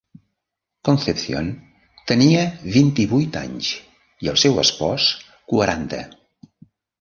Concepción tenia vint-i-vuit anys i el seu espòs quaranta.